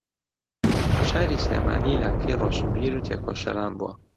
شاری سلێمانی لانکەی ڕۆشنبیر و تێکۆشەران بووە